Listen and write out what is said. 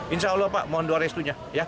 insya allah pak mohon doa restunya